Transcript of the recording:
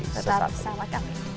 setara sama kami